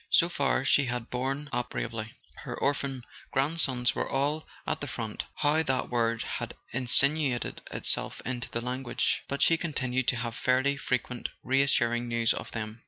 So far she had borne up bravely. Her orphan grand¬ sons were all at the front (how that word had in¬ sinuated itself into the language!) but she continued to have fairly frequent reassuring news of them.